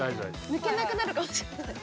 抜けなくなるかもしれない。